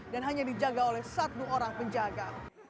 dan hanya dijaga oleh satu orang penjaga